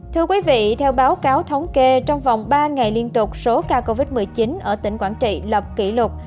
thưa quý vị theo báo cáo thống kê trong vòng ba ngày liên tục số ca covid một mươi chín ở tỉnh quảng trị lập kỷ lục